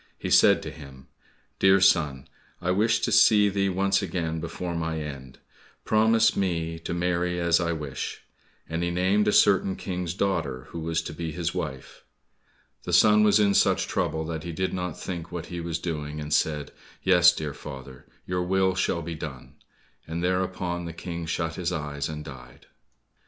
He said to him, "Dear son, I wished to see thee once again before my end, promise me to marry as I wish," and he named a certain King's daughter who was to be his wife. The son was in such trouble that he did not think what he was doing, and said, "Yes, dear father, your will shall be done," and thereupon the King shut his eyes, and died.